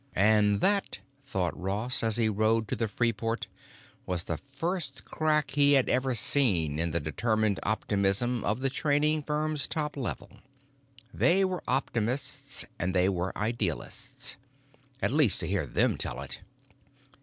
And that, thought Ross as he rode to the Free Port, was the first crack he had ever seen in the determined optimism of the trading firm's top level. They were optimists and they were idealists, at least to hear them tell it.